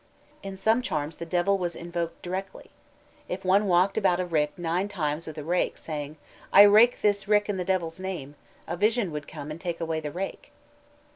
In some charms the devil was invoked directly. If one walked about a rick nine times with a rake, saying, "I rake this rick in the devil's name," a vision would come and take away the rake.